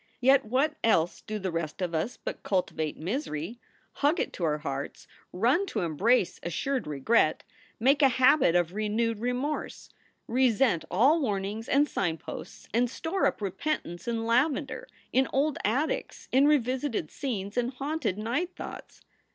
Yet what else do the rest of us but cultivate misery, hug it 2 7 o SOULS FOR SALE to our hearts, run to embrace assured regret, make a habit of renewed remorse, resent all warnings and sign posts, and store up repentance in lavender, in old attics, in revisited scenes and haunted night thoughts?